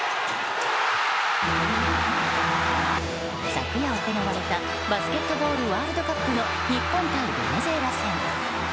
昨夜行われたバスケットボールワールドカップの日本対ベネズエラ戦。